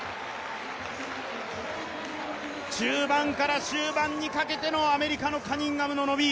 中盤から終盤にかけてのアメリカのカニンガムの伸び。